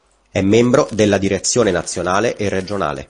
È membro della Direzione Nazionale e Regionale.